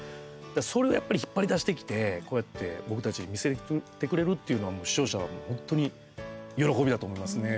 それを、やっぱり引っ張り出してきてこうやって僕たちに見せてくれるっていうのはもう、視聴者は本当に喜びだと思いますね。